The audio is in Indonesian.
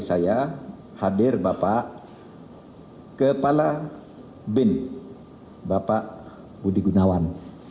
saya hadir bapak kepala bin bapak budi gunawan